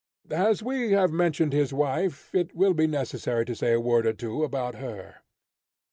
As we have mentioned his wife, it will be necessary to say a word or two about her.